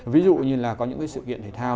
ví dụ như là có những sự kiện thể thao